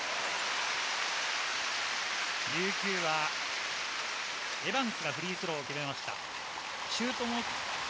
琉球はエバンスがフリースローを決めました。